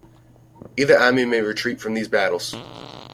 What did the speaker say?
Either army may retreat from these battles.